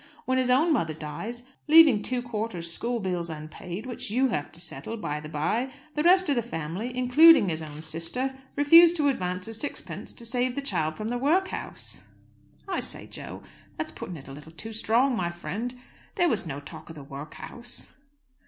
When his own mother dies leaving two quarters' school bills unpaid, which you have to settle, by the by the rest of the family, including his own sister, refuse to advance a sixpence to save the child from the workhouse." "I say, Jo, that's putting it a little too strong, my friend! There was no talk of the workhouse."